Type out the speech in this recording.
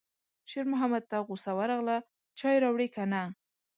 شېرمحمد ته غوسه ورغله: چای راوړې که نه